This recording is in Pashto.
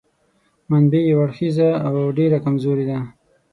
منبع یو اړخیزه او ډېره کمزورې ده.